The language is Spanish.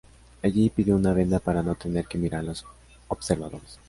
Allí, pidió una venda para no tener que mirar a los observadores.